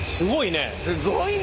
すごいね！